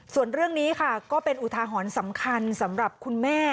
ส่วนเรื่องนี้ค่ะก็เป็นอุทาหรณ์สำคัญสำหรับคุณแม่